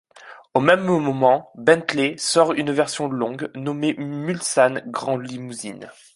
Au même moment Bentley sort une version longue nommée Mulsanne Grand Limousine.